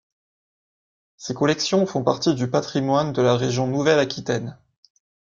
Ces collections font partie du patrimoine de la Région Nouvelle-Aquitaine.